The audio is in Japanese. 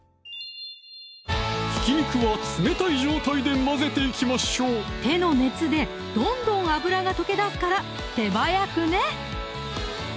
ひき肉は冷たい状態で混ぜていきましょう手の熱でどんどん脂が溶け出すから手早くね！